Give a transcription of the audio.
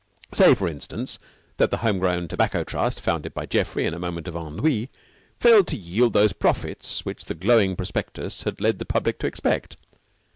Say, for instance, that the Home grown Tobacco Trust, founded by Geoffrey in a moment of ennui, failed to yield those profits which the glowing prospectus had led the public to expect.